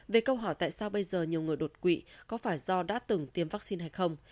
về câu hỏi tại sao bây giờ nhiều người đột quỵ có phải do đã từng tiêm vaccine hay không